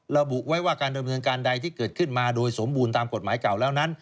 ระบุไว้ว่าการดำเนินการใดที่เกิดขึ้นมาโดยสมบูรณ์ตามกฎหมายเก่าแล้วนั้น